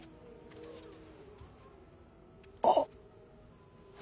あっ。